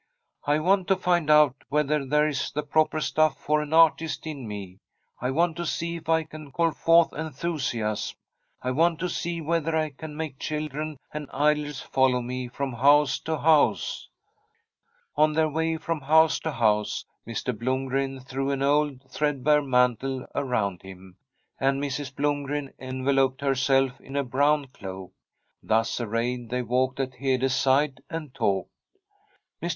' I want to find out whether there is the proper stuff for an artist in me. I want to see if I can call forth enthusiasm. I want to see whether 1 can make children and idlers fol low me from house to house.' On their way from house to house Mr. Blom gren threw an old threadbare mantle around him, and Mrs. Blomgren enveloped herself in a brown cloak. Thus arrayed, they walked at Hede's side and talked. Mr.